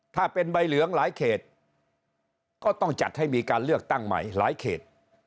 ถ้าเป็นใบเหลืองหลายเขตก็ต้องจัดให้มีการเลือกตั้งใหม่หลายเขต